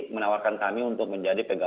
menawarkan kami untuk menjadi pegawai